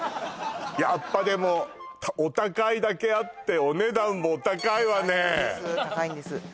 やっぱでもお高いだけあってお値段もお高いわね高いんです高いんです